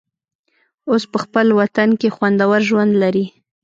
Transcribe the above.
اوس په خپل وطن کې خوندور ژوند لري.